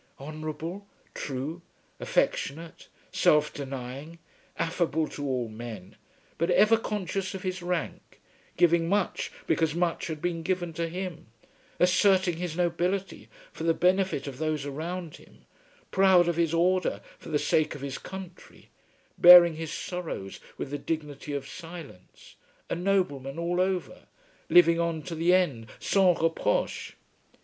"Honourable, true, affectionate, self denying, affable to all men, but ever conscious of his rank, giving much because much had been given to him, asserting his nobility for the benefit of those around him, proud of his order for the sake of his country, bearing his sorrows with the dignity of silence, a nobleman all over, living on to the end sans reproche!